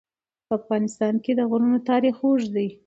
په افغانستان کې د غرونه تاریخ اوږد دی.